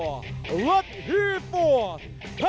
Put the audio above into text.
อยากจะเล่นงานฐานล่างก่อนแล้วกับเพชรเพชรดำส่วนให้มันขวา